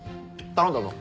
頼んだぞ。